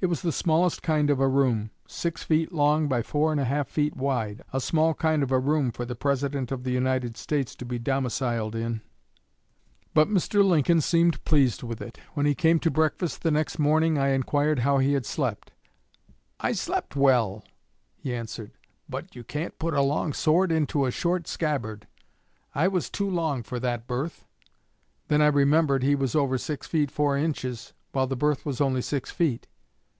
It was the smallest kind of a room, six feet long by four and a half feet wide a small kind of a room for the President of the United States to be domiciled in; but Mr. Lincoln seemed pleased with it. When he came to breakfast the next morning, I inquired how he had slept: 'I slept well,' he answered, 'but you can't put a long sword into a short scabbard. I was too long for that berth.' Then I remembered he was over six feet four inches, while the berth was only six feet.